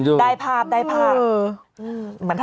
ได้ภาพ